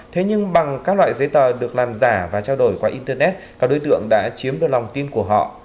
thế nhưng bằng các loại giấy tờ được làm giả và trao đổi qua internet các đối tượng đã chiếm được lòng tin của họ